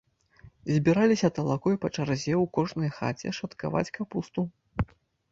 Збіраліся талакой па чарзе ў кожнай хаце шаткаваць капусту.